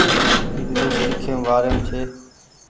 انگليش ليکيم وآريم ڇي